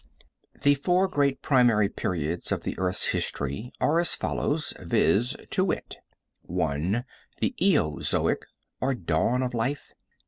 The four great primary periods of the earth's history are as follows, viz, to wit: 1. The Eozoic or dawn of life.